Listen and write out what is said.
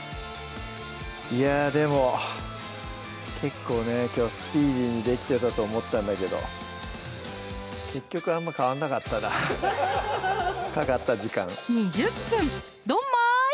いやぁでも結構ねきょうスピーディーにできてたと思ったんだけど結局あんま変わんなかったなかかった時間２０分ドンマイ！